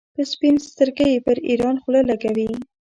په سپین سترګۍ پر ایران خوله لګوي.